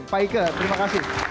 pak ike terima kasih